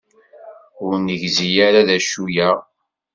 Ur negzi ara d acu-aɣ.